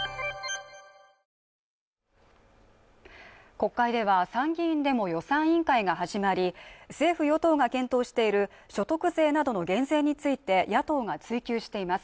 国会では参議院でも予算委員会が始まり政府・与党が検討している所得税などの減税について野党が追及しています